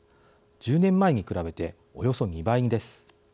１０年前に比べておよそ２倍です。